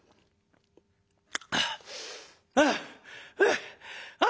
「ああ。